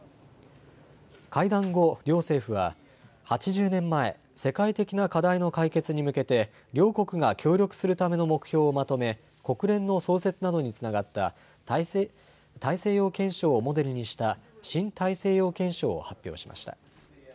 会談後、両政府は８０年前、世界的な課題の解決に向けて両国が協力するための目標をまとめ国連の創設などにつながった大西洋憲章をモデルにした新大西洋憲章を発表しました。